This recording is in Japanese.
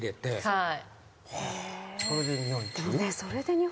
はい。